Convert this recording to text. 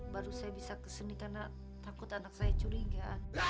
baru saya bisa ke sini karena takut anak saya curiga